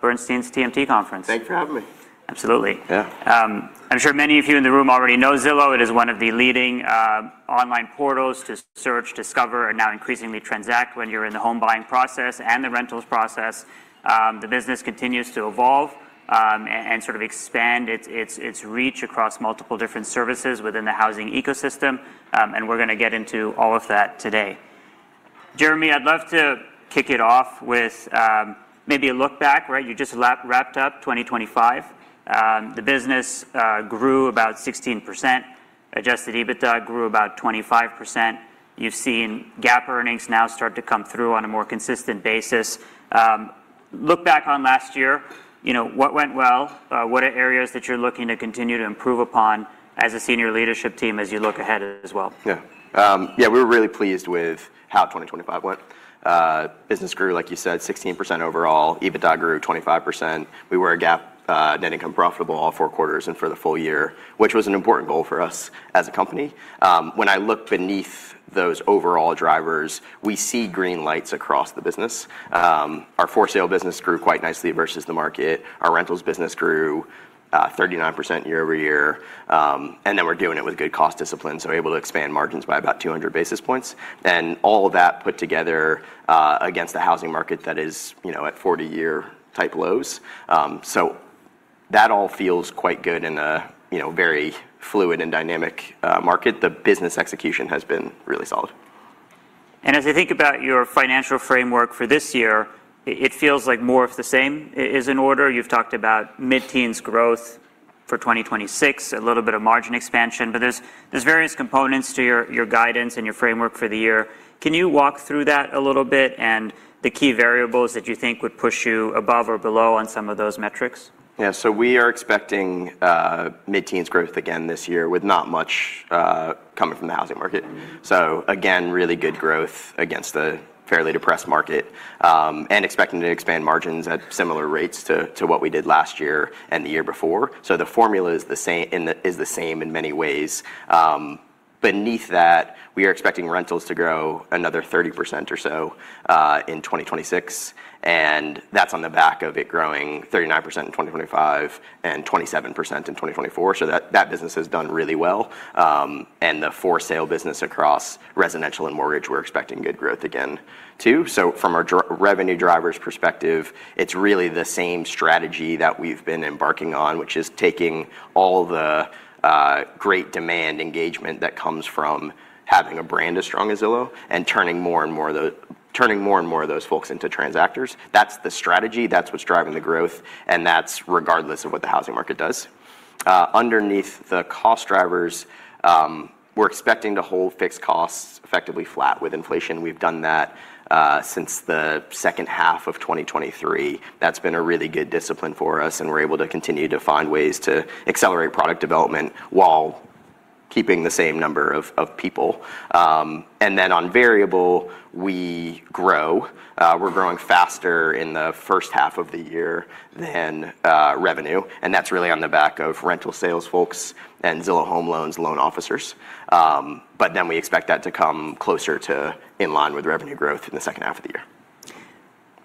.....Bernstein's TMT Conference. Thanks for having me. Absolutely. Yeah. I'm sure many of you in the room already know Zillow. It is one of the leading online portals to search, discover, and now increasingly transact when you're in the home buying process and the rentals process. The business continues to evolve and sort of expand its reach across multiple different services within the housing ecosystem, we're going to get into all of that today. Jeremy, I'd love to kick it off with maybe a look back, right? You just wrapped up 2025. The business grew about 16%. Adjusted EBITDA grew about 25%. You've seen GAAP earnings now start to come through on a more consistent basis. Look back on last year, you know, what went well? What are areas that you're looking to continue to improve upon as a senior leadership team as you look ahead as well? Yeah, we were really pleased with how 2025 went. Business grew, like you said, 16% overall. EBITDA grew 25%. We were a GAAP net income profitable all four quarters and for the full year, which was an important goal for us as a company. When I look beneath those overall drivers, we see green lights across the business. Our For-Sale business grew quite nicely versus the market. Our Rentals business grew 39% year-over-year. We're doing it with good cost discipline, so able to expand margins by about 200 basis points. All of that put together, against the housing market, that is, you know, at 40-year type lows. That all feels quite good in a, you know, very fluid and dynamic market. The business execution has been really solid. As I think about your financial framework for this year, it feels like more of the same is in order. You've talked about mid-teens growth for 2026, a little bit of margin expansion, but there's various components to your guidance and your framework for the year. Can you walk through that a little bit and the key variables that you think would push you above or below on some of those metrics? We are expecting mid-teens growth again this year, with not much coming from the housing market. Again, really good growth against a fairly depressed market, and expecting to expand margins at similar rates to what we did last year and the year before. The formula is the same in many ways. Beneath that, we are expecting Rentals to grow another 30% or so in 2026, that's on the back of it growing 39% in 2025 and 27% in 2024. That business has done really well. The For-Sale business across Residential and Mortgage, we're expecting good growth again too. From a revenue drivers perspective, it's really the same strategy that we've been embarking on, which is taking all the great demand engagement that comes from having a brand as strong as Zillow and turning more and more of those folks into transactors. That's the strategy, that's what's driving the growth, and that's regardless of what the housing market does. Underneath the cost drivers, we're expecting to hold fixed costs effectively flat with inflation. We've done that since the second half of 2023. That's been a really good discipline for us, and we're able to continue to find ways to accelerate product development while keeping the same number of people. On variable, we grow. We're growing faster in the first half of the year than revenue, and that's really on the back of rental sales folks and Zillow Home Loans loan officers. We expect that to come closer to in line with revenue growth in the second half of the year.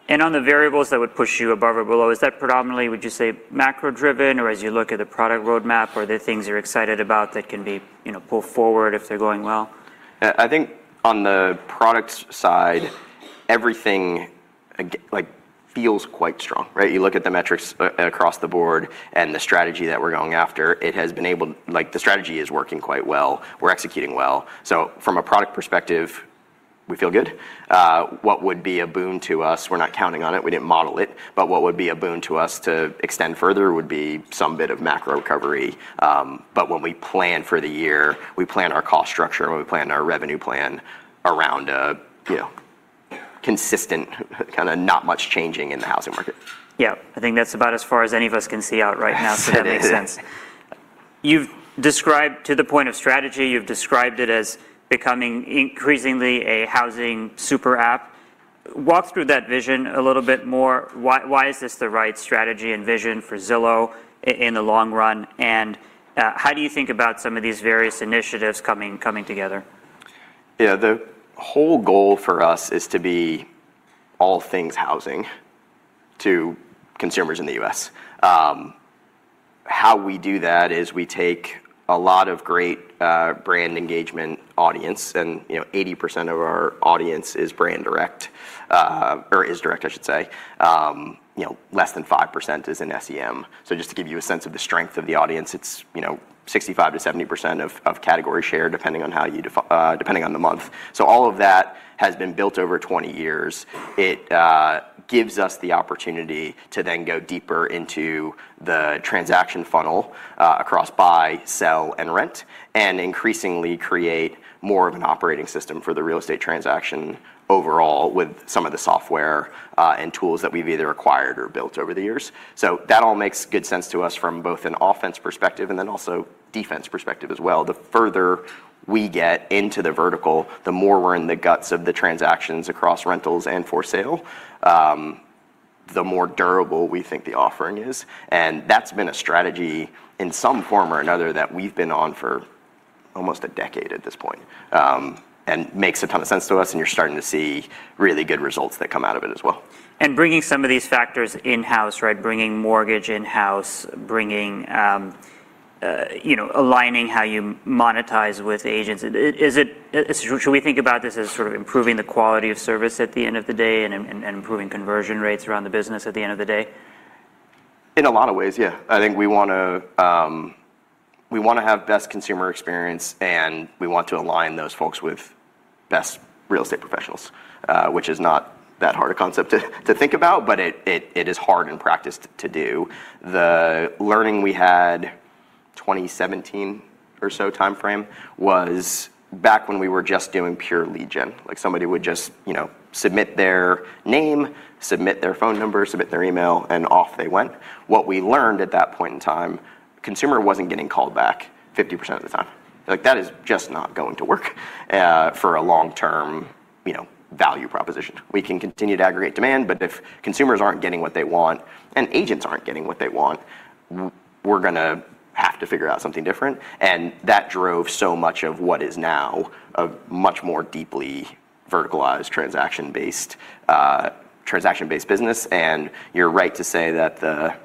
On the variables that would push you above or below, is that predominantly, would you say, macro-driven? As you look at the product roadmap or the things you're excited about that can be, you know, pulled forward if they're going well? I think on the product side, everything like, feels quite strong, right? You look at the metrics across the board and the strategy that we're going after, the strategy is working quite well. We're executing well. From a product perspective, we feel good. What would be a boon to us, we're not counting on it, we didn't model it, but what would be a boon to us to extend further would be some bit of macro recovery. When we plan for the year, we plan our cost structure and we plan our revenue plan around, you know, consistent, kinda not much changing in the housing market. Yeah, I think that's about as far as any of us can see out right now. That makes sense. You've described it as becoming increasingly a housing super app. Walk through that vision a little bit more. Why is this the right strategy and vision for Zillow in the long run? How do you think about some of these various initiatives coming together? Yeah, the whole goal for us is to be all things housing to consumers in the U.S. How we do that is we take a lot of great brand engagement audience, and, you know, 80% of our audience is brand direct, or is direct, I should say. You know, less than 5% is in SEM. Just to give you a sense of the strength of the audience, it's, you know, 65%-70% of category share, depending on how you depending on the month. All of that has been built over 20 years. It gives us the opportunity to then go deeper into the transaction funnel across buy, sell, and rent, and increasingly create more of an operating system for the real estate transaction overall, with some of the software and tools that we've either acquired or built over the years. That all makes good sense to us from both an offense perspective and then also defense perspective as well. The further we get into the vertical, the more we're in the guts of the transactions across Rentals and For-Sale, the more durable we think the offering is. That's been a strategy in some form or another, that we've been on for almost a decade at this point, and makes a ton of sense to us, and you're starting to see really good results that come out of it as well. Bringing some of these factors in-house, right? Bringing Mortgage in-house, bringing, you know, aligning how you monetize with agents. Should we think about this as sort of improving the quality of service at the end of the day and improving conversion rates around the business at the end of the day? In a lot of ways, yeah. I think we wanna have best consumer experience. We want to align those folks with best real estate professionals, which is not that hard a concept to think about, but it is hard in practice to do. The learning we had, 2017 or so timeframe, was back when we were just doing pure lead gen. Somebody would just, you know, submit their name, submit their phone number, submit their email, and off they went. What we learned at that point in time, consumer wasn't getting called back 50% of the time. That is just not going to work for a long-term, you know, value proposition. We can continue to aggregate demand, if consumers aren't getting what they want and agents aren't getting what they want, we're gonna have to figure out something different. That drove so much of what is now a much more deeply verticalized, transaction-based business. You're right to say that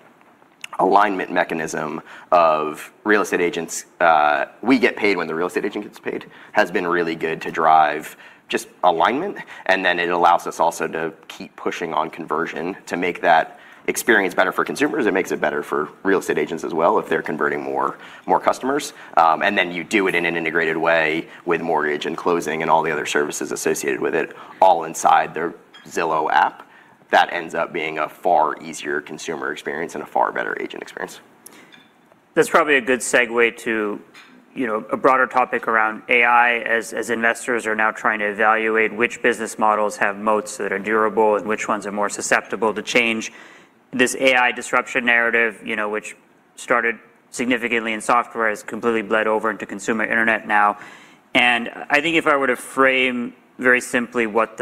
the alignment mechanism of real estate agents - we get paid when the real estate agent gets paid - has been really good to drive just alignment, and then it allows us also to keep pushing on conversion. To make that experience better for consumers, it makes it better for real estate agents as well if they're converting more customers. You do it in an integrated way with Mortgage and closing and all the other services associated with it, all inside their Zillow app. That ends up being a far easier consumer experience and a far better agent experience. That's probably a good segue to, you know, a broader topic around AI, as investors are now trying to evaluate which business models have moats that are durable and which ones are more susceptible to change. This AI disruption narrative, you know, which started significantly in software, has completely bled over into consumer internet now. I think if I were to frame very simply what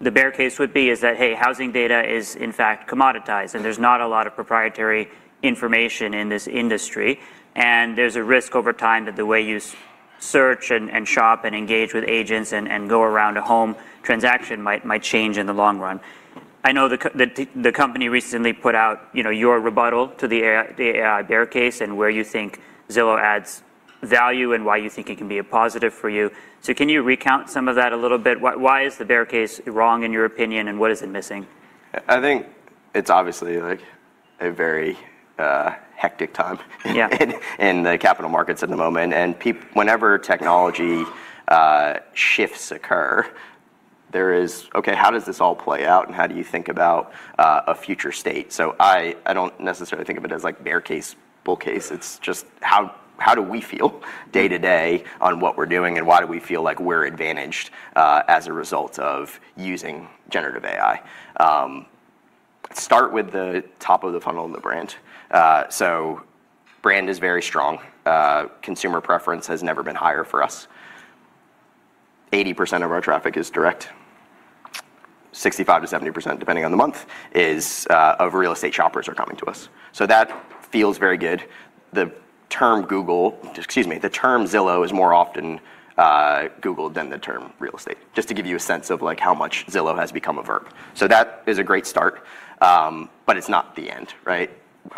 the bear case would be, is that, hey, housing data is in fact commoditized, and there's not a lot of proprietary information in this industry. There's a risk over time that the way you search and shop and engage with agents and go around a home transaction might change in the long run. I know the company recently put out, you know, your rebuttal to the AI bear case and where you think Zillow adds value and why you think it can be a positive for you. Can you recount some of that a little bit? Why is the bear case wrong, in your opinion, and what is it missing? I think it's obviously, like, a very hectic time... Yeah... in the capital markets at the moment. Whenever technology shifts occur, there is. Okay, how does this all play out, and how do you think about a future state? I don't necessarily think of it as, like, bear case, bull case. It's just how do we feel day to day on what we're doing, and why do we feel like we're advantaged as a result of using generative AI? Start with the top of the funnel and the brand. Brand is very strong. Consumer preference has never been higher for us. 80% of our traffic is direct. 65%-70%, depending on the month, of real estate shoppers are coming to us, that feels very good. The term Zillow is more often Googled than the term real estate, just to give you a sense of, like, how much Zillow has become a verb. That is a great start, but it's not the end, right?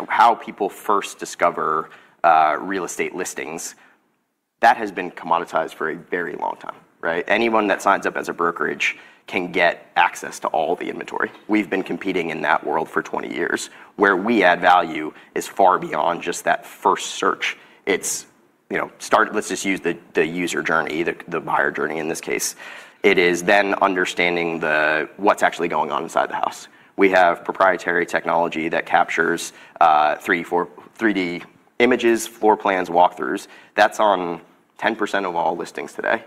How people first discover real estate listings, that has been commoditized for a very long time, right? Anyone that signs up as a brokerage can get access to all the inventory. We've been competing in that world for 20 years. Where we add value is far beyond just that first search. It's, you know, let's just use the user journey, the buyer journey in this case. It is then understanding what's actually going on inside the house. We have proprietary technology that captures 3D images, floor plans, walk-throughs. That's on 10% of all listings today.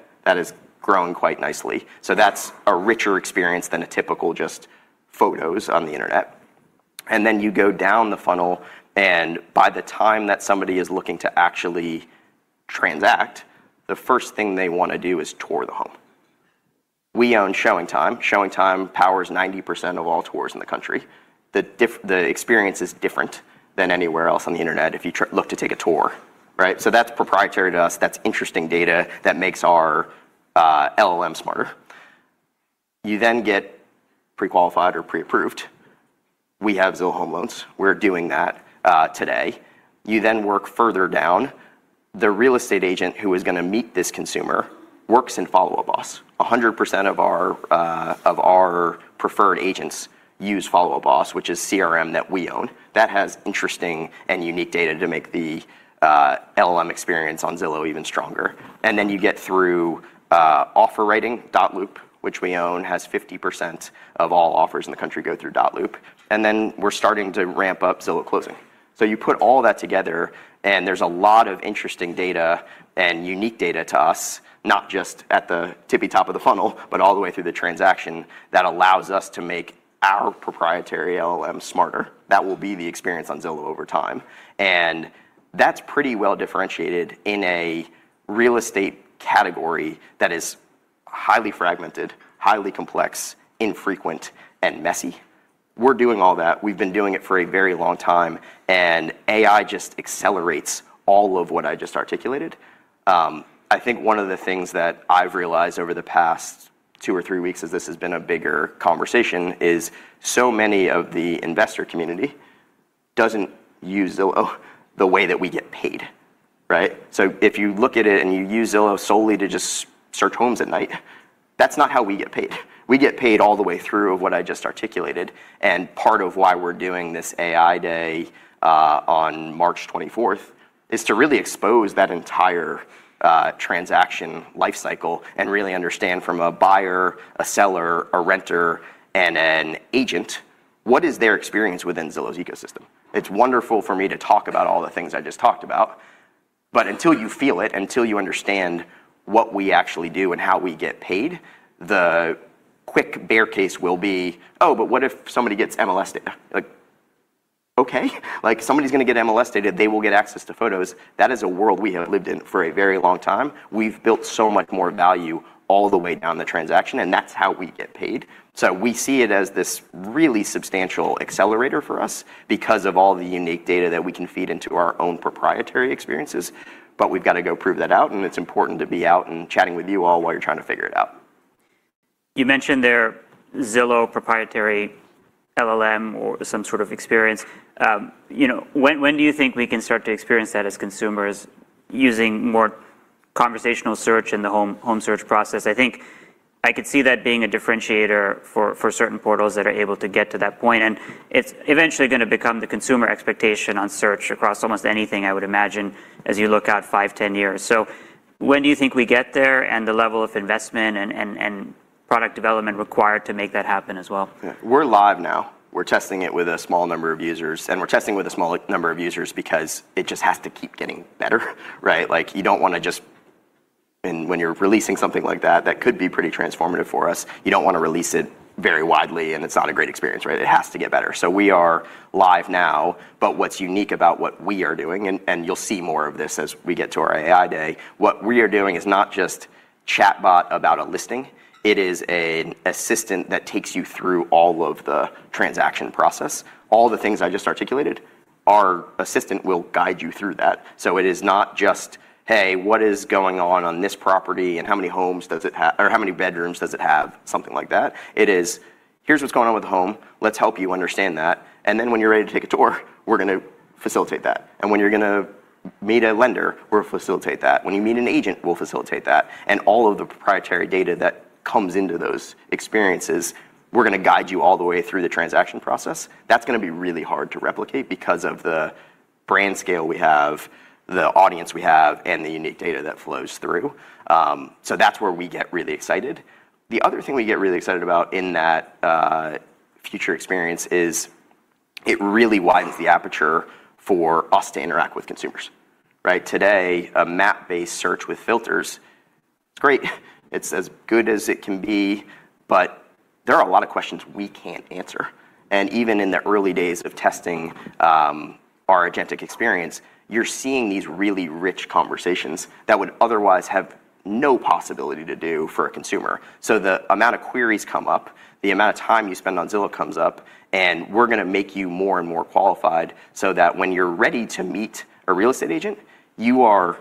That has grown quite nicely. That's a richer experience than a typical just photos on the internet. You go down the funnel, and by the time that somebody is looking to actually transact, the first thing they wanna do is tour the home. We own ShowingTime, ShowingTime powers 90% of all tours in the country. The experience is different than anywhere else on the internet if you look to take a tour, right? That's proprietary to us. That's interesting data that makes our LLM smarter. Get pre-qualified or pre-approved. We have Zillow Home Loans. We're doing that today. Work further down. The real estate agent who is gonna meet this consumer works in Follow Up Boss. 100% of our preferred agents use Follow Up Boss, which is CRM that we own. That has interesting and unique data to make the LLM experience on Zillow even stronger. You get through offer writing. dotloop, which we own, has 50% of all offers in the country go through dotloop. Then we're starting to ramp up Zillow Closing. You put all that together, there's a lot of interesting data and unique data to us, not just at the tippy top of the funnel, but all the way through the transaction, that allows us to make our proprietary LLM smarter. That will be the experience on Zillow over time. That's pretty well-differentiated in a real estate category that is highly fragmented, highly complex, infrequent, and messy. We're doing all that. We've been doing it for a very long time. AI just accelerates all of what I just articulated. I think one of the things that I've realized over the past two or three weeks as this has been a bigger conversation, is so many of the investor community doesn't use Zillow the way that we get paid, right? If you look at it and you use Zillow solely to just search homes at night, that's not how we get paid. We get paid all the way through of what I just articulated, and part of why we're doing this AI Day on March 24th, is to really expose that entire transaction life cycle and really understand from a buyer, a seller, a renter, and an agent, what is their experience within Zillow's ecosystem? It's wonderful for me to talk about all the things I just talked about, but until you feel it, until you understand what we actually do and how we get paid, the quick bear case will be, "Oh, but what if somebody gets MLS data?" Like, okay. Like, if somebody's gonna get MLS data, they will get access to photos. That is a world we have lived in for a very long time. We've built so much more value all the way down the transaction, and that's how we get paid. We see it as this really substantial accelerator for us because of all the unique data that we can feed into our own proprietary experiences, but we've got to go prove that out, and it's important to be out and chatting with you all while you're trying to figure it out. You mentioned their Zillow proprietary LLM or some sort of experience. You know, when do you think we can start to experience that as consumers using more conversational search in the home search process? I think I could see that being a differentiator for certain portals that are able to get to that point, and it's eventually gonna become the consumer expectation on search across almost anything, I would imagine, as you look out five, 10 years. When do you think we get there, and the level of investment and product development required to make that happen as well? We're live now. We're testing it with a small number of users, and we're testing with a small number of users because it just has to keep getting better, right? Like, you don't wanna just. When you're releasing something like that could be pretty transformative for us. You don't wanna release it very widely, and it's not a great experience, right? It has to get better. We are live now, but what's unique about what we are doing, and you'll see more of this as we get to our AI Day, what we are doing is not just chatbot about a listing, it is an assistant that takes you through all of the transaction process. All the things I just articulated, our assistant will guide you through that. It is not just, "Hey, what is going on on this property, and how many bedrooms does it have?" Something like that. It is, "Here's what's going on with the home. Let's help you understand that, and then when you're ready to take a tour, we're gonna facilitate that. When you're gonna meet a lender, we'll facilitate that. When you meet an agent, we'll facilitate that." All of the proprietary data that comes into those experiences, we're gonna guide you all the way through the transaction process. That's gonna be really hard to replicate because of the brand scale we have, the audience we have, and the unique data that flows through. That's where we get really excited. The other thing we get really excited about in that future experience is it really widens the aperture for us to interact with consumers, right? Today, a map-based search with filters, it's great. It's as good as it can be, but there are a lot of questions we can't answer. Even in the early days of testing, our agentic experience, you're seeing these really rich conversations that would otherwise have no possibility to do for a consumer. The amount of queries come up, the amount of time you spend on Zillow comes up, and we're gonna make you more and more qualified, so that when you're ready to meet a real estate agent, you are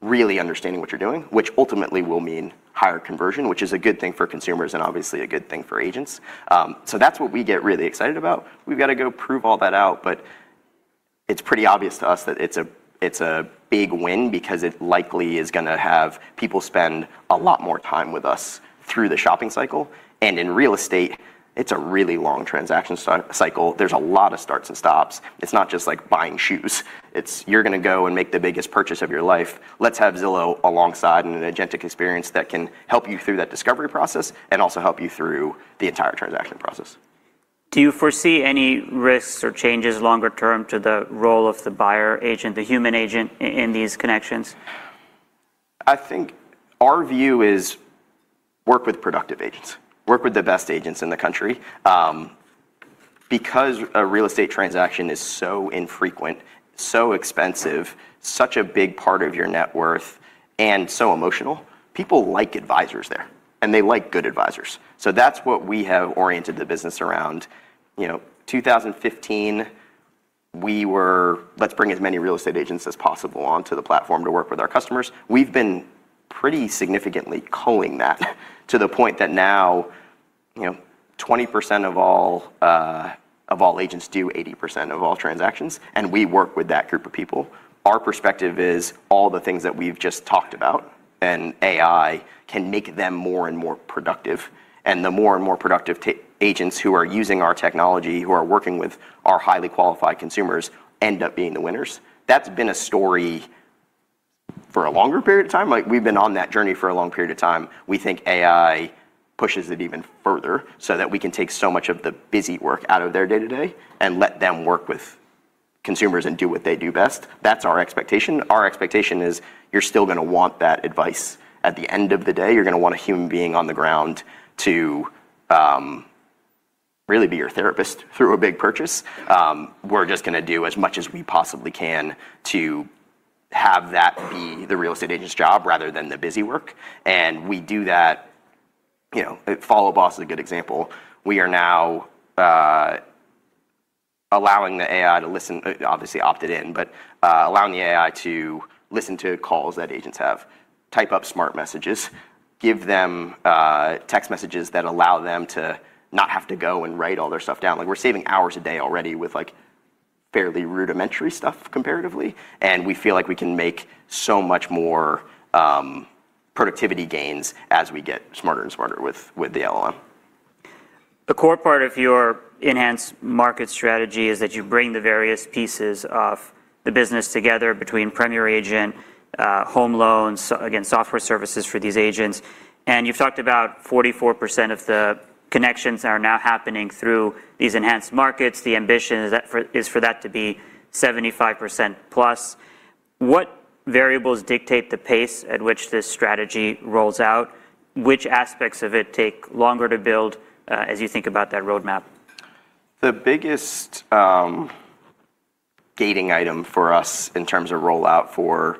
really understanding what you're doing, which ultimately will mean higher conversion, which is a good thing for consumers and obviously a good thing for agents. That's what we get really excited about. We've got to go prove all that out, but it's pretty obvious to us that it's a big win because it likely is gonna have people spend a lot more time with us through the shopping cycle. In real estate, it's a really long transaction cycle. There's a lot of starts and stops. It's not just like buying shoes. It's you're gonna go and make the biggest purchase of your life. Let's have Zillow alongside in an agentic experience that can help you through that discovery process, and also help you through the entire transaction process. Do you foresee any risks or changes longer term to the role of the buyer agent, the human agent, in these connections? I think our view is work with productive agents. Work with the best agents in the country. Because a real estate transaction is so infrequent, so expensive, such a big part of your net worth, and so emotional, people like advisors there, and they like good advisors. That's what we have oriented the business around. You know, 2015, we were, "Let's bring as many real estate agents as possible onto the platform to work with our customers." We've been pretty significantly culling that, to the point that now, you know, 20% of all of all agents do 80% of all transactions, and we work with that group of people. Our perspective is all the things that we've just talked about. AI can make them more and more productive. The more and more productive agents who are using our technology, who are working with our highly qualified consumers, end up being the winners. That's been a story for a longer period of time. Like, we've been on that journey for a long period of time. We think AI pushes it even further that we can take so much of the busy work out of their day-to-day and let them work with consumers and do what they do best. That's our expectation. Our expectation is you're still gonna want that advice. At the end of the day, you're gonna want a human being on the ground to really be your therapist through a big purchase. We're just gonna do as much as we possibly can to have that be the real estate agent's job rather than the busywork. We do that, you know, Follow Up Boss is a good example. We are now allowing the AI to listen, obviously opted in, but allowing the AI to listen to calls that agents have, type up smart messages, give them text messages that allow them to not have to go and write all their stuff down. Like, we're saving hours a day already with, like, fairly rudimentary stuff comparatively. We feel like we can make so much more productivity gains as we get smarter and smarter with the LLM. The core part of your enhanced market strategy is that you bring the various pieces of the business together between Premier Agent, Home Loans, so again, software services for these agents. You've talked about 44% of the connections are now happening through these enhanced markets. The ambition is that is for that to be 75%+. What variables dictate the pace at which this strategy rolls out? Which aspects of it take longer to build, as you think about that roadmap? The biggest, gating item for us in terms of rollout for,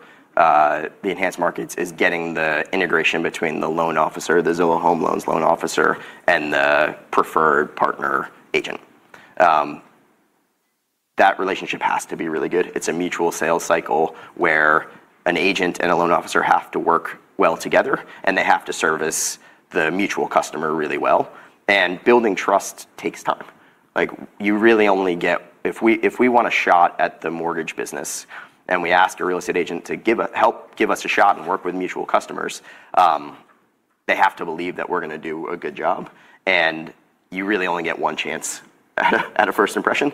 the enhanced markets is getting the integration between the loan officer, the Zillow Home Loans loan officer, and the preferred partner agent. That relationship has to be really good. It's a mutual sales cycle where an agent and a loan officer have to work well together, and they have to service the mutual customer really well. Building trust takes time. Like, you really only get. If we want a shot at the Mortgage business and we ask a real estate agent to help give us a shot and work with mutual customers, they have to believe that we're gonna do a good job. You really only get one chance at a first impression,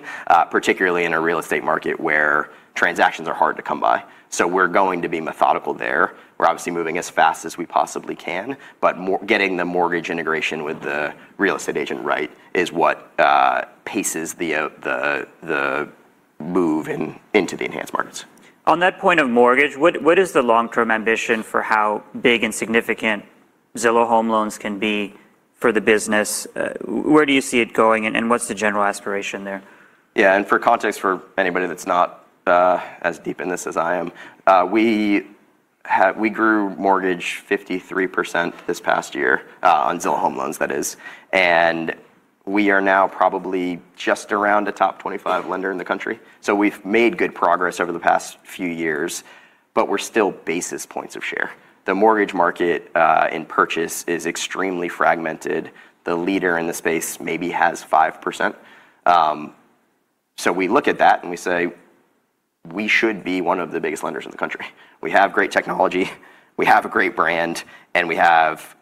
particularly in a real estate market where transactions are hard to come by. We're going to be methodical there. We're obviously moving as fast as we possibly can, but getting the mortgage integration with the real estate agent right is what paces the move in, into the enhanced markets. On that point of Mortgage, what is the long-term ambition for how big and significant Zillow Home Loans can be for the business? Where do you see it going, and what's the general aspiration there? Yeah, for context, for anybody that's not as deep in this as I am, we grew Mortgage 53% this past year on Zillow Home Loans, that is. We are now probably just around a top 25 lender in the country. We've made good progress over the past few years, but we're still basis points of share. The Mortgage market in purchase is extremely fragmented. The leader in the space maybe has 5%. We look at that, and we say, "We should be one of the biggest lenders in the country." We have great technology, we have a great brand, and we have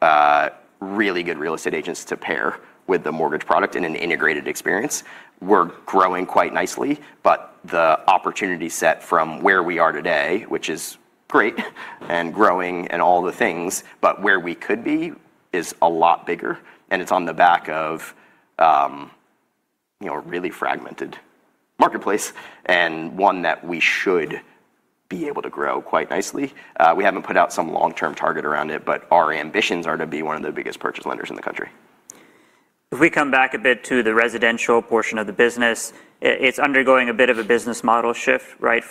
really good real estate agents to pair with the Mortgage product in an integrated experience. We're growing quite nicely, but the opportunity set from where we are today, which is great and growing and all the things, but where we could be is a lot bigger, and it's on the back of, you know, a really fragmented marketplace and one that we should be able to grow quite nicely. We haven't put out some long-term target around it, but our ambitions are to be one of the biggest purchase lenders in the country. If we come back a bit to the Residential portion of the business, it's undergoing a bit of a business model shift, right?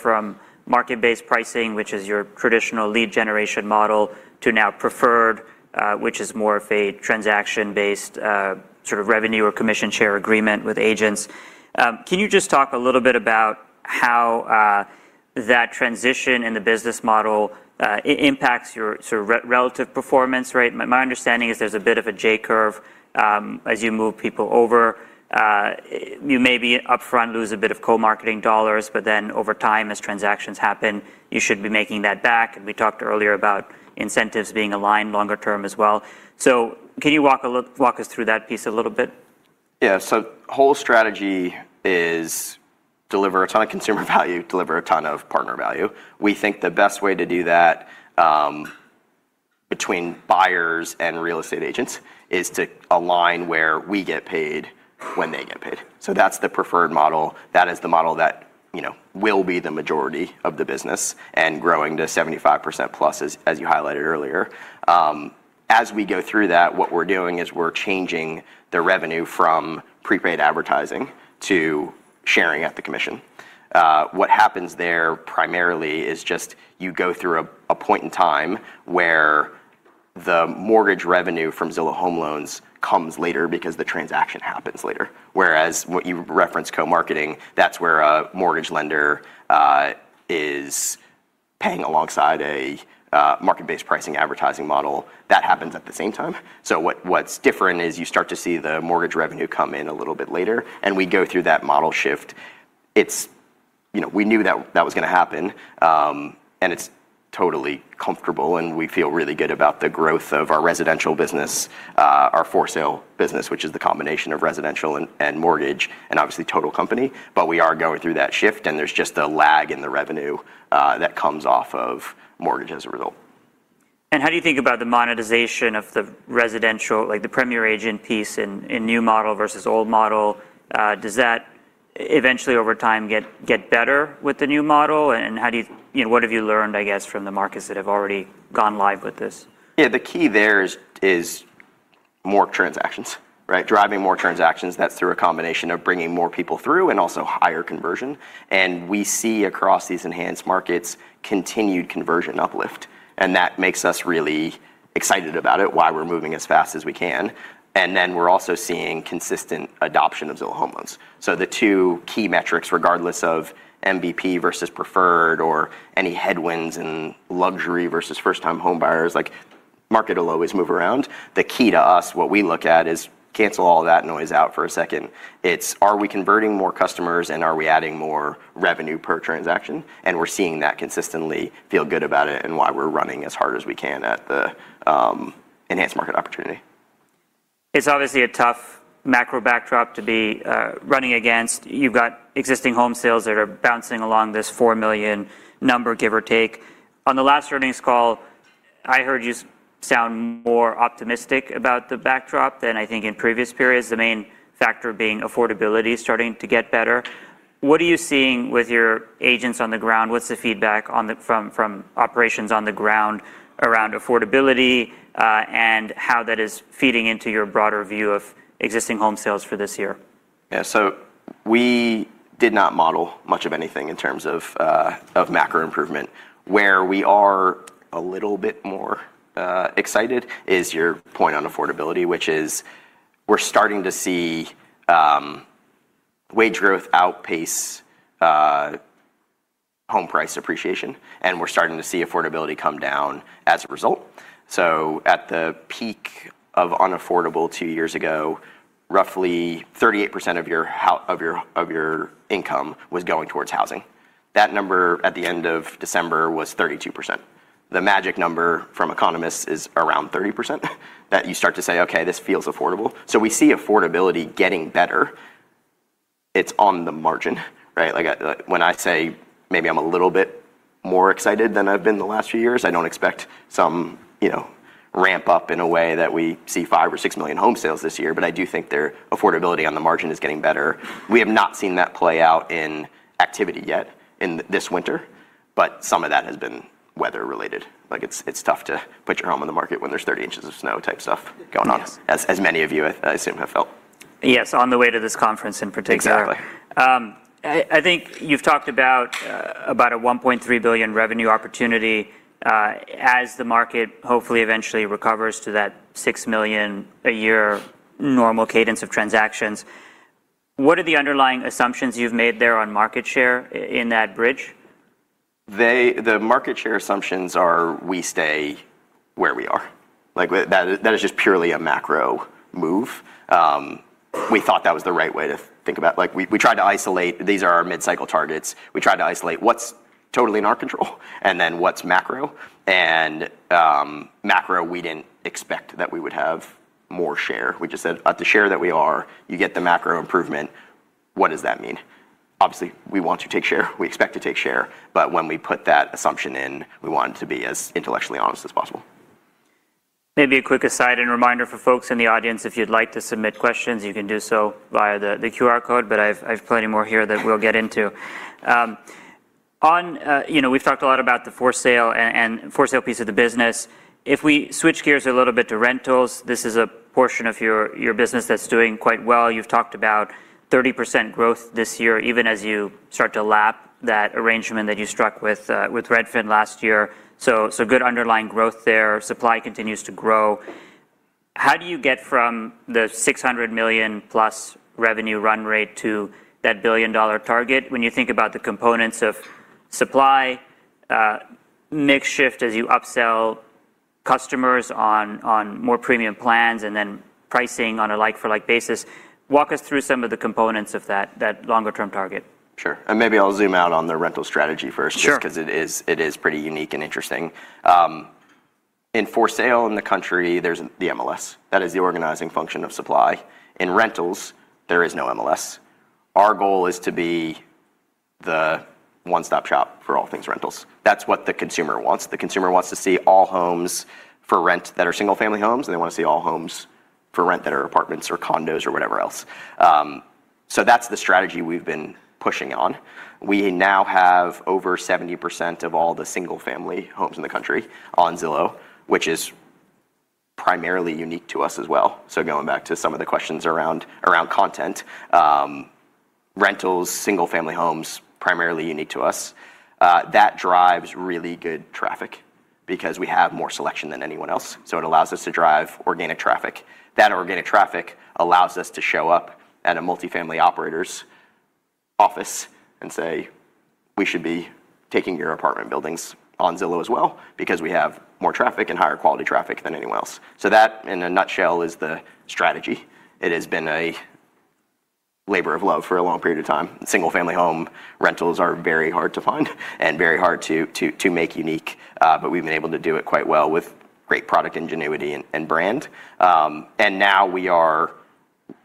From market-based pricing, which is your traditional lead generation model, to now preferred, which is more of a transaction-based sort of revenue or commission share agreement with agents. Can you just talk a little bit about how that transition in the business model impacts your sort of relative performance rate? My understanding is there's a bit of a J-curve, as you move people over. You maybe upfront lose a bit of co-marketing dollars, but then over time, as transactions happen, you should be making that back. We talked earlier about incentives being aligned longer term as well. Can you walk us through that piece a little bit? Yeah. Whole strategy is deliver a ton of consumer value, deliver a ton of partner value. We think the best way to do that, between buyers and real estate agents is to align where we get paid when they get paid. That's the preferred model. That is the model that, you know, will be the majority of the business and growing to 75%+, as you highlighted earlier. As we go through that, what we're doing is we're changing the revenue from prepaid advertising to sharing at the commission. What happens there primarily is just you go through a point in time where the Mortgage revenue from Zillow Home Loans comes later because the transaction happens later. Whereas what you referenced, co-marketing, that's where a mortgage lender is paying alongside a market-based pricing advertising model. What's different is you start to see the Mortgage revenue come in a little bit later, and we go through that model shift. you know, we knew that was gonna happen, and it's totally comfortable, and we feel really good about the growth of our Residential business, our For-Sale business, which is the combination of Residential and Mortgage, and obviously, total company. We are going through that shift, and there's just a lag in the revenue that comes off of Mortgage as a result. How do you think about the monetization of the Residential, like the Premier Agent piece in new model versus old model? Eventually over time, get better with the new model? How do you know, what have you learned, I guess, from the markets that have already gone live with this? Yeah, the key there is more transactions, right? Driving more transactions. That's through a combination of bringing more people through and also higher conversion. We see across these enhanced markets, continued conversion uplift, and that makes us really excited about it, why we're moving as fast as we can. We're also seeing consistent adoption of Zillow Home Loans. The two key metrics, regardless of MBP versus preferred or any headwinds in luxury versus first-time home buyers, like, market will always move around. The key to us, what we look at, is cancel all that noise out for a second. It's: Are we converting more customers, and are we adding more revenue per transaction? We're seeing that consistently feel good about it and why we're running as hard as we can at the enhanced market opportunity. It's obviously a tough macro backdrop to be running against. You've got existing home sales that are bouncing along this 4 million number, give or take. On the last earnings call, I heard you sound more optimistic about the backdrop than I think in previous periods, the main factor being affordability starting to get better. What are you seeing with your agents on the ground? What's the feedback from operations on the ground around affordability, and how that is feeding into your broader view of existing home sales for this year? Yeah. We did not model much of anything in terms of macro improvement. Where we are a little bit more excited is your point on affordability, which is we're starting to see wage growth outpace home price appreciation, and we're starting to see affordability come down as a result. At the peak of unaffordable two years ago, roughly 38% of your income was going towards housing. That number, at the end of December, was 32%. The magic number from economists is around 30%, that you start to say, "Okay, this feels affordable." We see affordability getting better. It's on the margin, right? Like, when I say maybe I'm a little bit more excited than I've been the last few years, I don't expect some, you know, ramp up in a way that we see 5 million or 6 million home sales this year. I do think their affordability on the margin is getting better. We have not seen that play out in activity yet in this winter. Some of that has been weather-related. Like, it's tough to put your home on the market when there's 30 in of snow type going on, as many of you, I assume, have felt. Yes, on the way to this conference in particular. Exactly. I think you've talked about a $1.3 billion revenue opportunity as the market hopefully eventually recovers to that 6 million a year normal cadence of transactions. What are the underlying assumptions you've made there on market share in that bridge? The market share assumptions are we stay where we are. Like, that is just purely a macro move. we thought that was the right way to think about... Like, we tried to isolate, "These are our mid-cycle targets." We tried to isolate what's totally in our control, then what's macro. macro, we didn't expect that we would have more share. We just said, "At the share that we are, you get the macro improvement. What does that mean?" Obviously, we want to take share, we expect to take share, but when we put that assumption in, we want it to be as intellectually honest as possible. Maybe a quick aside and reminder for folks in the audience, if you'd like to submit questions, you can do so via the QR code, but I've plenty more here that we'll get into. You know, we've talked a lot about the For-Sale and For-Sale piece of the business. If we switch gears a little bit to Rentals, this is a portion of your business that's doing quite well. You've talked about 30% growth this year, even as you start to lap that arrangement that you struck with Redfin last year. So good underlying growth there. Supply continues to grow. How do you get from the $600 million+ revenue run rate to that billion-dollar target when you think about the components of supply, mix shift as you upsell customers on more premium plans, and then pricing on a like for like basis? Walk us through some of the components of that longer term target. Sure. Maybe I'll zoom out on the rental strategy first- Sure... just because it is, it is pretty unique and interesting. In For-Sale in the country, there's the MLS. That is the organizing function of supply. In Rentals, there is no MLS. Our goal is to be the one-stop shop for all things Rentals. That's what the consumer wants. The consumer wants to see all homes for rent that are Single-Family homes, and they want to see all homes for rent that are apartments or condos or whatever else. That's the strategy we've been pushing on. We now have over 70% of all the single-family homes in the country on Zillow, which is primarily unique to us as well. Going back to some of the questions around content, Rentals, single-family homes, primarily unique to us. That drives really good traffic because we have more selection than anyone else, so it allows us to drive organic traffic. That organic traffic allows us to show up at a multi-family operator's office and say, "We should be taking your apartment buildings on Zillow as well because we have more traffic and higher quality traffic than anyone else." That, in a nutshell, is the strategy. It has been a labor of love for a long period of time. Single-family home rentals are very hard to find and very hard to make unique, but we've been able to do it quite well with great product ingenuity and brand. And now we are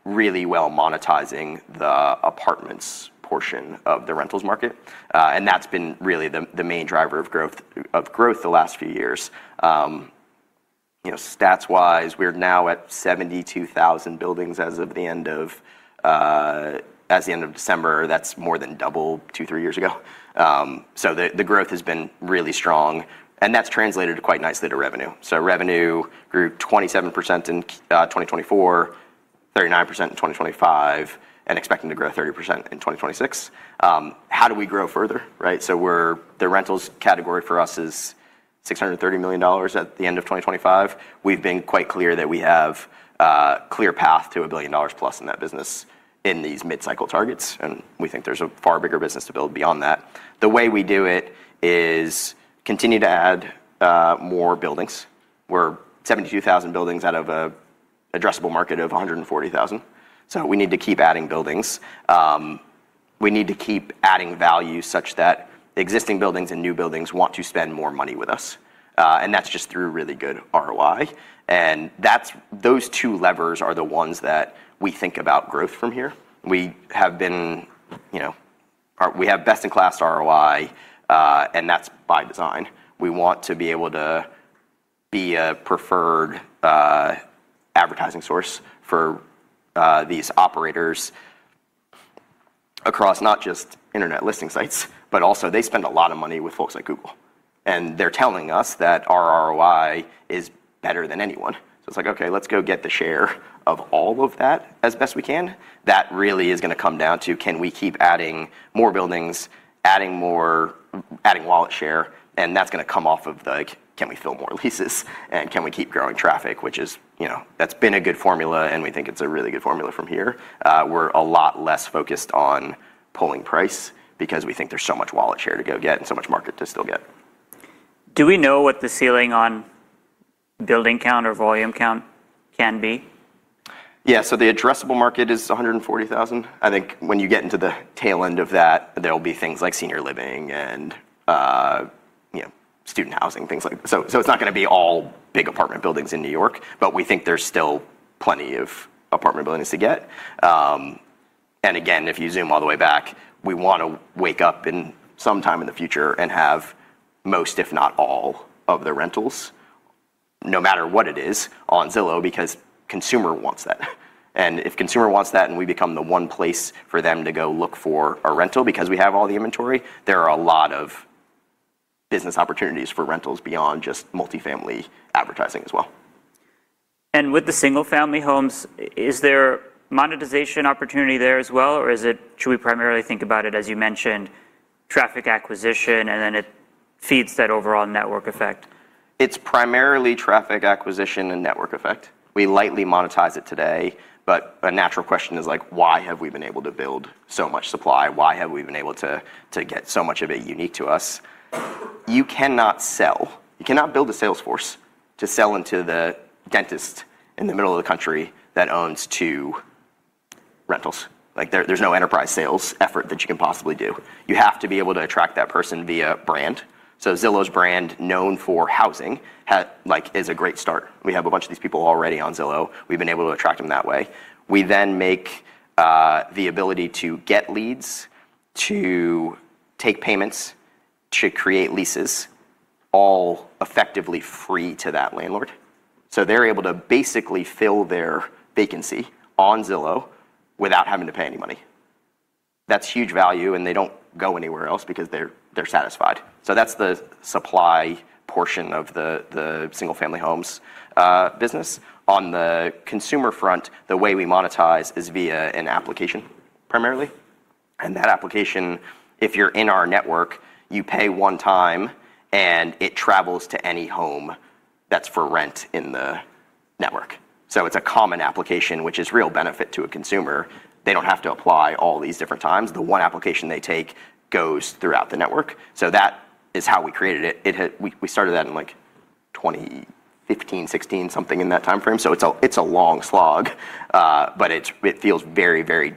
really well monetizing the apartments portion of the Rentals market, and that's been really the main driver of growth the last few years. You know, stats-wise, we're now at 72,000 buildings as of the end of December. That's more than double two, three years ago. The growth has been really strong, and that's translated quite nicely to revenue. Revenue grew 27% in 2024, 39% in 2025, and expecting to grow 30% in 2026. How do we grow further, right? The Rentals category for us is $630 million at the end of 2025. We've been quite clear that we have a clear path to a $1 billion+ in that business in these mid-cycle targets, and we think there's a far bigger business to build beyond that. The way we do it is continue to add more buildings. We're 72,000 buildings out of a addressable market of 140,000. We need to keep adding buildings. We need to keep adding value such that the existing buildings and new buildings want to spend more money with us. That's just through really good ROI, those two levers are the ones that we think about growth from here. We have been, you know, we have best-in-class ROI, that's by design. We want to be able to be a preferred advertising source for these operators across not just internet listing sites, but also they spend a lot of money with folks like Google, they're telling us that our ROI is better than anyone. It's like, okay, let's go get the share of all of that as best we can. That really is gonna come down to, can we keep adding more buildings, adding wallet share? That's gonna come off of, like, can we fill more leases, and can we keep growing traffic, which is, you know, that's been a good formula, and we think it's a really good formula from here. We're a lot less focused on pulling price because we think there's so much wallet share to go get and so much market to still get. Do we know what the ceiling on building count or volume count can be? The addressable market is 140,000. I think when you get into the tail end of that, there'll be things like senior living and, you know, student housing, things like... It's not gonna be all big apartment buildings in New York, but we think there's still plenty of apartment buildings to get. Again, if you zoom all the way back, we wanna wake up in some time in the future and have most, if not all, of the Rentals, no matter what it is, on Zillow, because consumer wants that. If consumer wants that and we become the one place for them to go look for a rental because we have all the inventory, there are a lot of business opportunities for Rentals beyond just multifamily advertising as well. With the single-family homes, is there monetization opportunity there as well, or should we primarily think about it, as you mentioned, traffic acquisition, and then it feeds that overall network effect? It's primarily traffic acquisition and network effect. We lightly monetize it today, a natural question is like, why have we been able to build so much supply? Why have we been able to get so much of it unique to us? You cannot build a sales force to sell into the dentist in the middle of the country that owns two rentals. Like, there's no enterprise sales effort that you can possibly do. You have to be able to attract that person via brand. Zillow's brand, known for housing, like, is a great start. We have a bunch of these people already on Zillow. We've been able to attract them that way. We then make the ability to get leads, to take payments, to create leases, all effectively free to that landlord. They're able to basically fill their vacancy on Zillow without having to pay any money. That's huge value, and they don't go anywhere else because they're satisfied. That's the supply portion of the Single-Family Homes business. On the consumer front, the way we monetize is via an application primarily, and that application, if you're in our network, you pay one time, and it travels to any home that's for rent in the network. It's a common application, which is real benefit to a consumer. They don't have to apply all these different times. The one application they take goes throughout the network. That is how we created it. We started that in, like, 2015, 2016, something in that timeframe. It's a, it's a long slog, but it feels very, very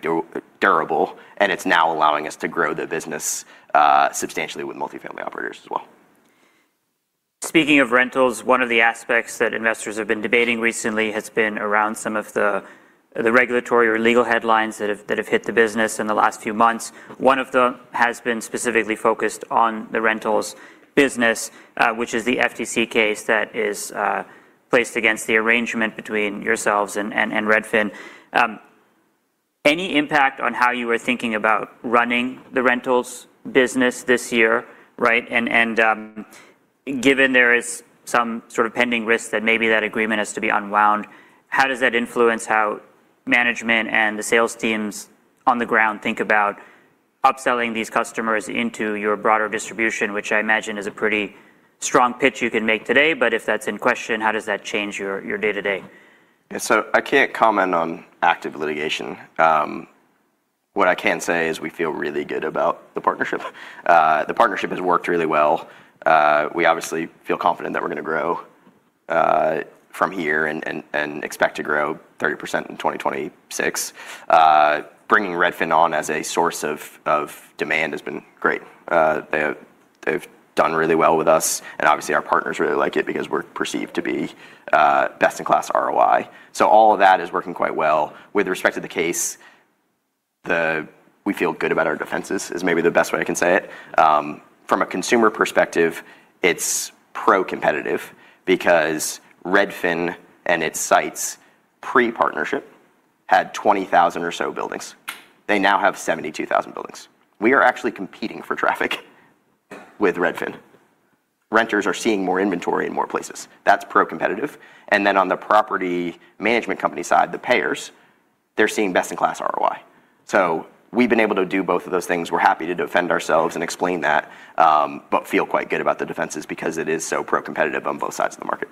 durable, and it's now allowing us to grow the business, substantially with multifamily operators as well. Speaking of Rentals, one of the aspects that investors have been debating recently has been around some of the regulatory or legal headlines that have hit the business in the last few months. One of them has been specifically focused on the Rentals business, which is the FTC case that is placed against the arrangement between yourselves and Redfin. Any impact on how you were thinking about running the Rentals business this year, right? Given there is some sort of pending risk that maybe that agreement has to be unwound, how does that influence how management and the sales teams on the ground think about upselling these customers into your broader distribution, which I imagine is a pretty strong pitch you can make today, but if that's in question, how does that change your day-to-day? I can't comment on active litigation. What I can say is we feel really good about the partnership. The partnership has worked really well. We obviously feel confident that we're gonna grow from here and expect to grow 30% in 2026. Bringing Redfin on as a source of demand has been great. They've done really well with us, and obviously, our partners really like it because we're perceived to be best in class ROI. All of that is working quite well. With respect to the case we feel good about our defenses is maybe the best way I can say it. From a consumer perspective, it's pro-competitive because Redfin and its sites pre-partnership had 20,000 or so buildings. They now have 72,000 buildings. We are actually competing for traffic with Redfin. Renters are seeing more inventory in more places. That's pro-competitive. On the property management company side, the payers, they're seeing best-in-class ROI. We've been able to do both of those things. We're happy to defend ourselves and explain that, but feel quite good about the defenses because it is so pro-competitive on both sides of the market.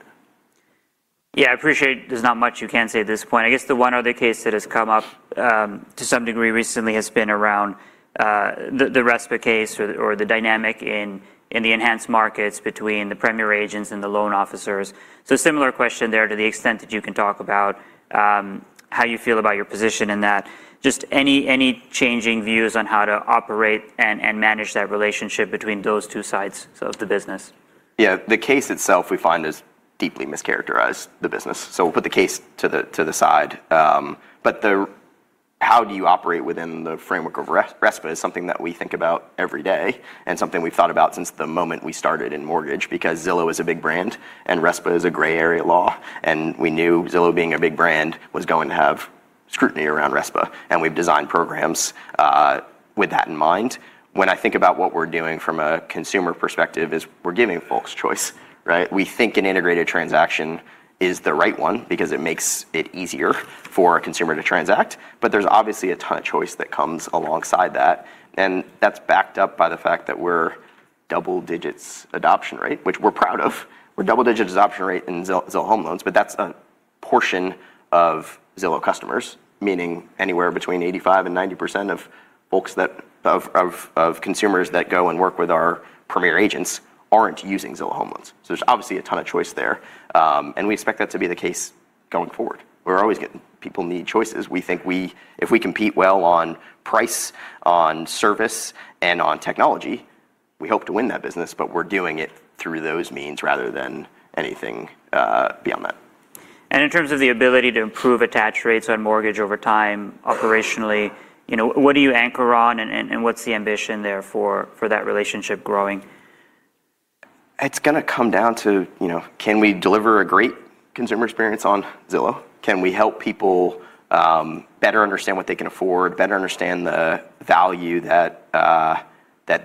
Yeah, I appreciate there's not much you can say at this point. I guess the one other case that has come up to some degree recently has been around the RESPA case or the or the dynamic in in the enhanced markets between the Premier Agents and the loan officers. Similar question there, to the extent that you can talk about how you feel about your position in that. Just any changing views on how to operate and manage that relationship between those two sides of the business? Yeah. The case itself, we find, is deeply mischaracterized the business, so we'll put the case to the side. How do you operate within the framework of RESPA is something that we think about every day and something we've thought about since the moment we started in Mortgage, because Zillow is a big brand and RESPA is a gray area law, and we knew Zillow, being a big brand, was going to have scrutiny around RESPA, and we've designed programs with that in mind. When I think about what we're doing from a consumer perspective, is we're giving folks choice, right? We think an integrated transaction is the right one because it makes it easier for a consumer to transact, but there's obviously a ton of choice that comes alongside that, and that's backed up by the fact that we're double-digit adoption rate, which we're proud of. We're double-digit adoption rate in Zillow Home Loans, but that's a portion of Zillow customers, meaning anywhere between 85% and 90% of folks that consumers that go and work with our Premier Agent aren't using Zillow Home Loans. There's obviously a ton of choice there, and we expect that to be the case going forward. People need choices. We think if we compete well on price, on service, and on technology, we hope to win that business, but we're doing it through those means rather than anything beyond that. In terms of the ability to improve attach rates on Mortgage over time, operationally, you know, what do you anchor on, and what's the ambition there for that relationship growing? It's gonna come down to, you know, can we deliver a great consumer experience on Zillow? Can we help people better understand what they can afford, better understand the value that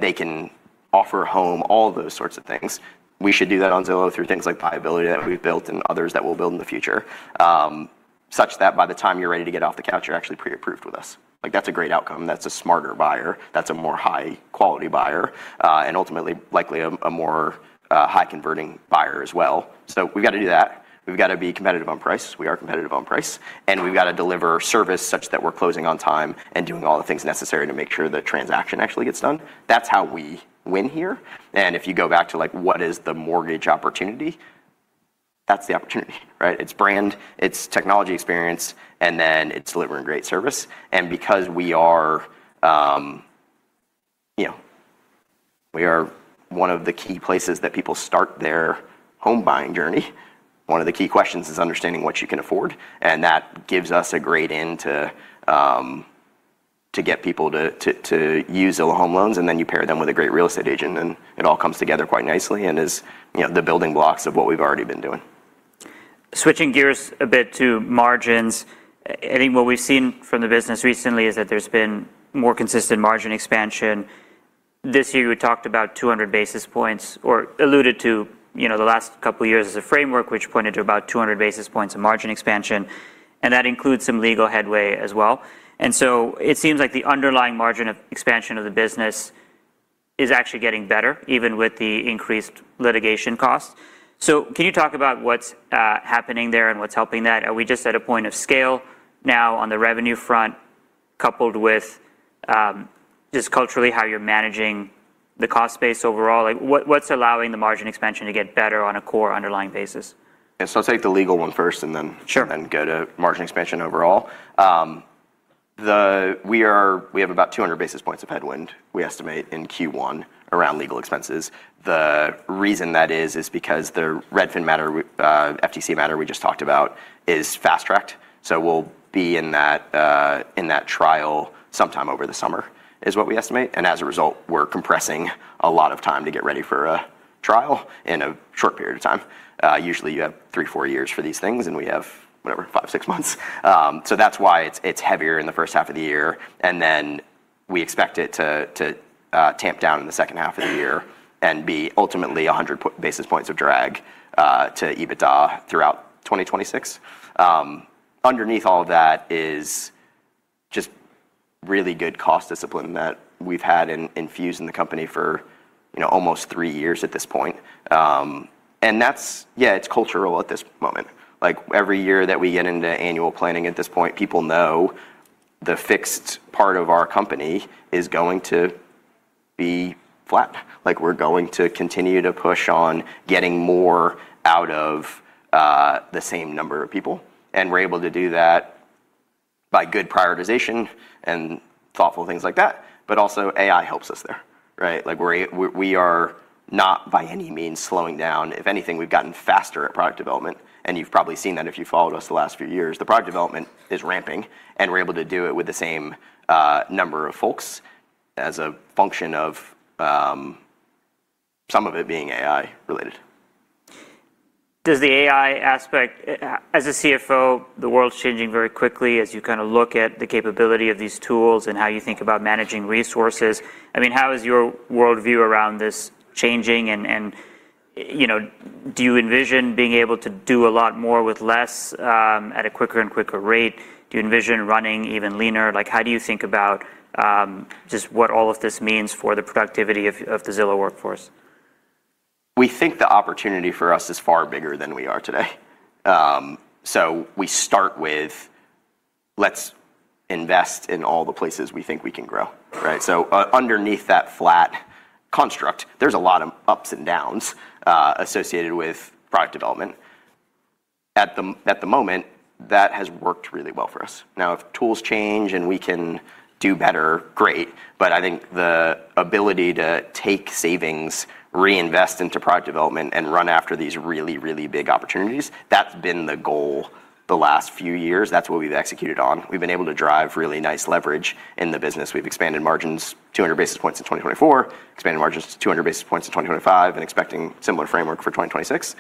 they can offer a home, all of those sorts of things? We should do that on Zillow through things like BuyAbility that we've built and others that we'll build in the future. Such that by the time you're ready to get off the couch, you're actually pre-approved with us. Like, that's a great outcome. That's a smarter buyer, that's a more high-quality buyer, and ultimately, likely a more high-converting buyer as well. We've got to do that. We've got to be competitive on price. We are competitive on price, and we've got to deliver service such that we're closing on time and doing all the things necessary to make sure the transaction actually gets done. That's how we win here. If you go back to, like, what is the Mortgage opportunity? That's the opportunity, right? It's brand, it's technology experience, and then it's delivering great service. Because we are, you know, we are one of the key places that people start their home buying journey, one of the key questions is understanding what you can afford, and that gives us a great in to get people to use Zillow Home Loans, and then you pair them with a great real estate agent, and it all comes together quite nicely and is, you know, the building blocks of what we've already been doing. Switching gears a bit to margins. I think what we've seen from the business recently is that there's been more consistent margin expansion. This year, you talked about 200 basis points or alluded to, you know, the last couple of years as a framework, which pointed to about 200 basis points of margin expansion, and that includes some legal headway as well. It seems like the underlying margin of expansion of the business is actually getting better, even with the increased litigation costs. Can you talk about what's happening there and what's helping that? Are we just at a point of scale now on the revenue front, coupled with, just culturally, how you're managing the cost base overall? Like, what's allowing the margin expansion to get better on a core underlying basis? I'll take the legal one first, and then- Sure ....go to margin expansion overall. We have about 200 basis points of headwind, we estimate in Q1 around legal expenses. The reason that is because the Redfin matter, FTC matter we just talked about is fast-tracked, so we'll be in that trial sometime over the summer, is what we estimate. As a result, we're compressing a lot of time to get ready for a trial in a short period of time. Usually, you have three, four years for these things, and we have, whatever, five, six months. That's why it's heavier in the first half of the year, then we expect it to tamp down in the second half of the year and be ultimately 100 basis points of drag to EBITDA throughout 2026. Underneath all of that is just really good cost discipline that we've had infused in the company for, you know, almost three years at this point. That's, yeah, it's cultural at this moment. Like, every year that we get into annual planning, at this point, people know the fixed part of our company is going to be flat. Like, we're going to continue to push on getting more out of the same number of people, and we're able to do that by good prioritization and thoughtful things like that, but also AI helps us there. Right? Like we are not by any means slowing down. If anything, we've gotten faster at product development, and you've probably seen that if you followed us the last few years. The product development is ramping, and we're able to do it with the same number of folks as a function of some of it being AI-related. Does the AI aspect, as a CFO, the world's changing very quickly as you kind of look at the capability of these tools and how you think about managing resources. I mean, how is your worldview around this changing? You know, do you envision being able to do a lot more with less at a quicker and quicker rate? Do you envision running even leaner? Like, how do you think about just what all of this means for the productivity of the Zillow workforce? We think the opportunity for us is far bigger than we are today. We start with, "Let's invest in all the places we think we can grow." Right? Underneath that flat construct, there's a lot of ups and downs, associated with product development. At the moment, that has worked really well for us. Now, if tools change and we can do better, great. I think the ability to take savings, reinvest into product development, and run after these really, really big opportunities, that's been the goal the last few years. That's what we've executed on. We've been able to drive really nice leverage in the business. We've expanded margins 200 basis points in 2024, expanded margins to 200 basis points in 2025, and expecting similar framework for 2026.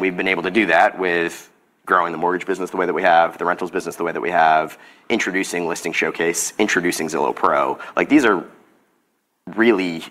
We've been able to do that with growing the Mortgage business the way that we have, the Rentals business, the way that we have, introducing Listing Showcase, introducing Zillow Pro. Like, these are really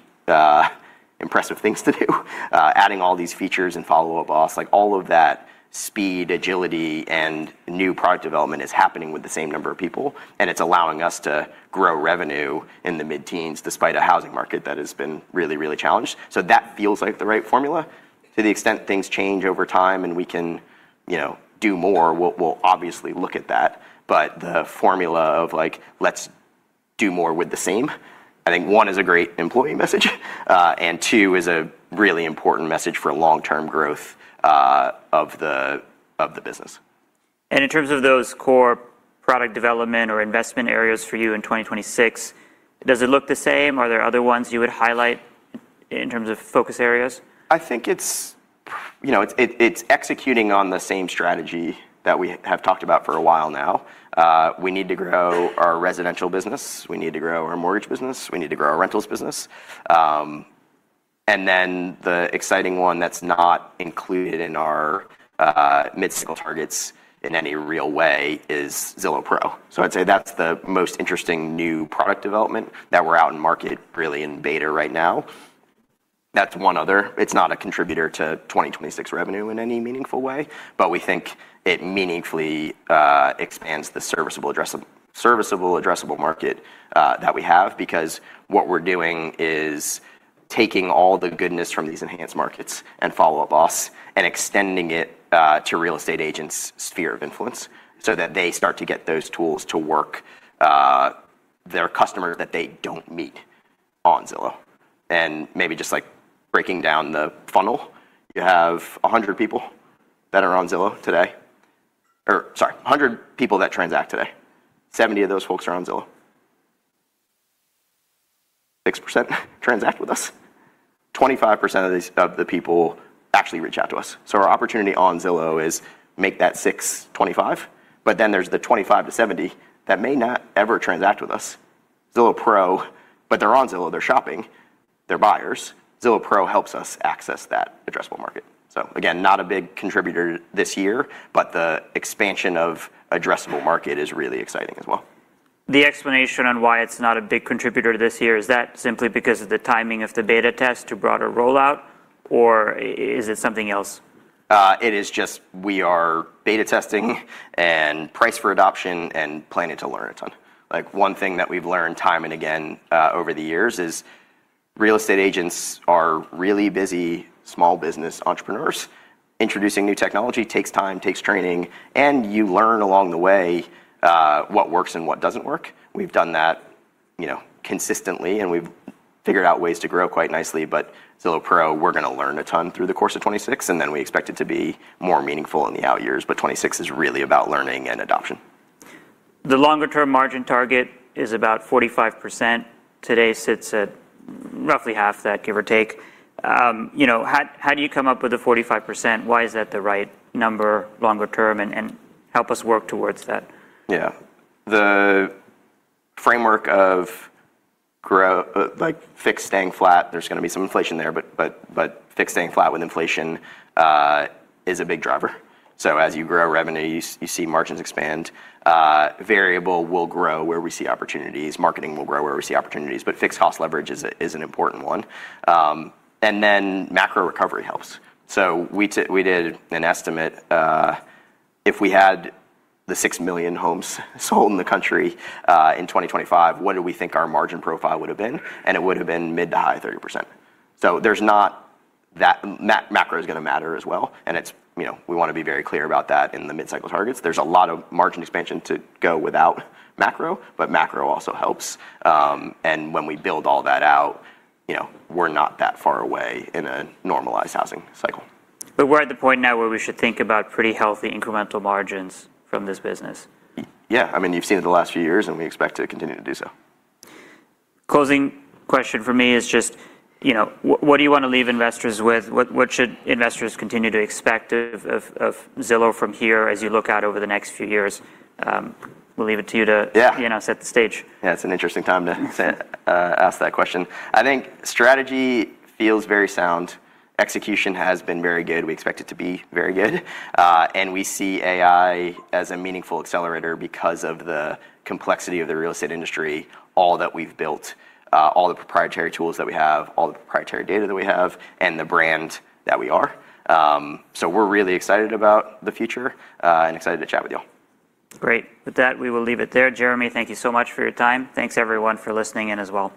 impressive things to do. Adding all these features and Follow Up Boss, like, all of that speed, agility, and new product development is happening with the same number of people, and it's allowing us to grow revenue in the mid-teens, despite a housing market that has been really challenged. That feels like the right formula. To the extent things change over time and we can, you know, do more, we'll obviously look at that. The formula of, like, "Let's do more with the same," I think, one, is a great employee message, and two, is a really important message for long-term growth of the business. In terms of those core product development or investment areas for you in 2026, does it look the same, or are there other ones you would highlight in terms of focus areas? I think it's, you know, it's executing on the same strategy that we have talked about for a while now. We need to grow our Residential business, we need to grow our Mortgage business, we need to grow our Rentals business. Then the exciting one that's not included in our mid-cycle targets in any real way is Zillow Pro. I'd say that's the most interesting new product development that we're out in market, really in beta right now. That's one other. It's not a contributor to 2026 revenue in any meaningful way, but we think it meaningfully expands the serviceable addressable market that we have. What we're doing is taking all the goodness from these enhanced markets and Follow Up Boss, and extending it to real estate agents' sphere of influence, so that they start to get those tools to work their customer that they don't meet on Zillow. Maybe just, like, breaking down the funnel, you have 100 people that are on Zillow today-- or sorry, 100 people that transact today, 70 of those folks are on Zillow. 6% transact with us, 25% of the people actually reach out to us. Our opportunity on Zillow is make that 6%, 25%, there's the 25 to 70 that may not ever transact with us. Zillow Pro. They're on Zillow, they're shopping, they're buyers. Zillow Pro helps us access that addressable market. Again, not a big contributor this year, but the expansion of addressable market is really exciting as well. The explanation on why it's not a big contributor this year, is that simply because of the timing of the beta test to broader rollout, or is it something else? It is just we are beta testing. Price for adoption and planning to learn a ton. Like, one thing that we've learned time and again, over the years is, real estate agents are really busy small business entrepreneurs. Introducing new technology takes time, takes training, and you learn along the way, what works and what doesn't work. We've done that, you know, consistently, and we've figured out ways to grow quite nicely. Zillow Pro, we're gonna learn a ton through the course of 2026, and then we expect it to be more meaningful in the out years, 2026 is really about learning and adoption. The longer-term margin target is about 45%. Today, sits at roughly half that, give or take. you know, how do you come up with the 45%? Why is that the right number longer term, and help us work towards that? Yeah. The framework of fixed staying flat, there's gonna be some inflation there, but fixed staying flat with inflation is a big driver. As you grow revenue, you see margins expand. Variable will grow where we see opportunities. Marketing will grow where we see opportunities. Fixed cost leverage is an important one. Macro recovery helps. We did an estimate, if we had the 6 million homes sold in the country in 2025, what do we think our margin profile would have been? It would have been mid- to high 30%. There's not... That macro is gonna matter as well, and it's, you know, we wanna be very clear about that in the mid-cycle targets. There's a lot of margin expansion to go without macro, but macro also helps. When we build all that out, you know, we're not that far away in a normalized housing cycle. We're at the point now where we should think about pretty healthy incremental margins from this business. Yeah. I mean, you've seen it the last few years, and we expect to continue to do so. Closing question for me is just, you know, what do you want to leave investors with? What should investors continue to expect of Zillow from here as you look out over the next few years? We'll leave it to you. Yeah You know, set the stage. Yeah, it's an interesting time to say, ask that question. I think strategy feels very sound. Execution has been very good. We expect it to be very good. We see AI as a meaningful accelerator because of the complexity of the real estate industry, all that we've built, all the proprietary tools that we have, all the proprietary data that we have, and the brand that we are. We're really excited about the future, and excited to chat with you all. Great. With that, we will leave it there. Jeremy, thank you so much for your time. Thanks, everyone, for listening in as well.